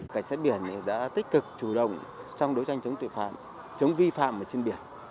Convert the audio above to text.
cảnh sát biển đã tích cực chủ động trong đấu tranh chống tội phạm chống vi phạm trên biển